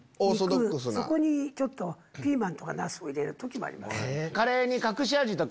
そこにピーマンとかナスを入れる時もあります。